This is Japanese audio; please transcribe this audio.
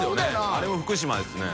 あれも福島ですね。